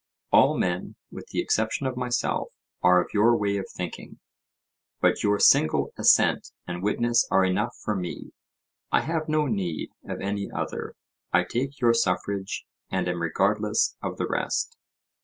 All men, with the exception of myself, are of your way of thinking; but your single assent and witness are enough for me,—I have no need of any other, I take your suffrage, and am regardless of the rest.